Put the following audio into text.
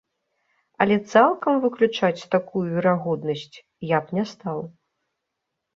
Але цалкам выключаць такую верагоднасць я б не стаў.